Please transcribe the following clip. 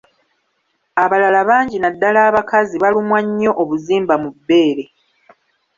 Abalala bangi naddala abakazi balumwa nnyo obuzimba mu bbeere.